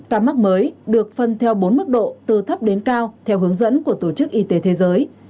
ca mắc mới được phân theo bốn mức độ từ thấp đến cao theo hướng dẫn của tổ chức y tế thế giới